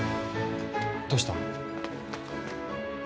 どうしたの？